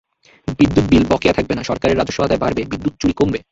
বিদ্যুৎ বিল বকেয়া থাকবে না, সরকারের রাজস্ব আদায় বাড়বে, বিদ্যুৎ চুরি কমবে।